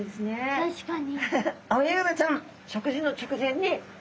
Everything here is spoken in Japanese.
確かに。